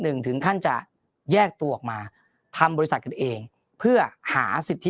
หนึ่งถึงขั้นจะแยกตัวออกมาทำบริษัทกันเองเพื่อหาสิทธิ